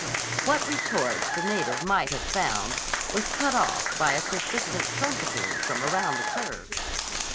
What retort the native might have found was cut off by a persistent trumpeting from around the curve.